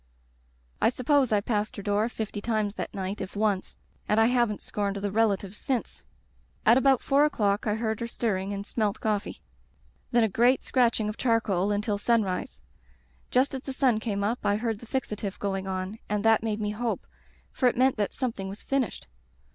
"I suppose I passed her door fifty times that night, if once, and I haven't scorned the relatives since. "At about four o'clock I heard her stir ring and smelt coffee. Then a great scratch ing of charcoal until sunrise. Just as the sun came up I heard the fixatif going on, and that made me hope, for it meant that something was finished.